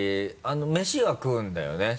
メシは食うんだよね